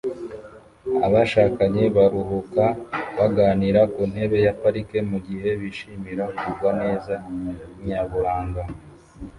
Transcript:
Abashakanye baruhuka bakaganira ku ntebe ya parike mu gihe bishimira kugwa neza nyaburanga